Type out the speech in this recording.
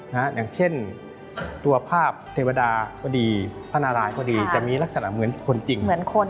อย่างเช่นตัวภาพเทวดาก็ดีพระนารายก็ดีจะมีลักษณะเหมือนคนจริงเหมือนคน